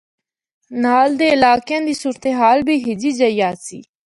نال دے علاقیاں دی صورت حال بھی ہِجی جئی آسی۔